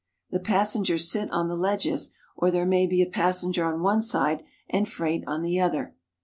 The passengers sit on the ledges, or there may be a passenger on one side and freight on the other.